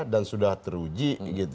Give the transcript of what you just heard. dan sudah teruji